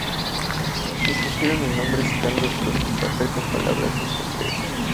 Escogieron el nombre sacando trozos de papel con palabras de un sombrero.